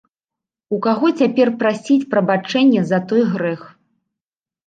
У каго цяпер прасіць прабачэння за той грэх?